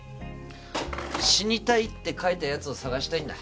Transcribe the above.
「死にたい」って書いたヤツを探したいんだ